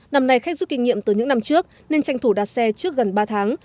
năm nay khách rút kinh nghiệm từ những năm trước nên tranh thủ đặt xe trước gần ba tháng